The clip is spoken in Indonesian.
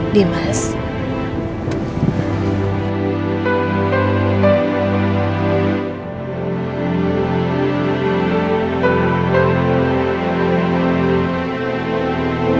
dimas sahabatku topi ini kenangan dari aku